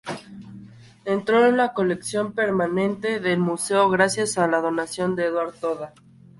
Entró en la colección permanente del museo gracias a una donación de Eduard Toda.